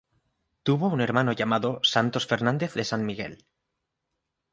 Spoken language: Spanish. Tuvo un hermano llamado Santos Fernández de San Miguel.